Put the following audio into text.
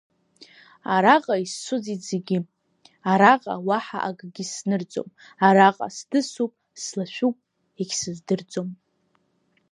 Араҟа исцәыӡит зегьы, араҟа уаҳа акгьы снырӡом, араҟа сдысуп, слашәуп, егьсыздырӡом.